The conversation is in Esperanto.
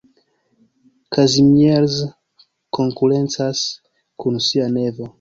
Kazimierz konkurencas kun sia nevo.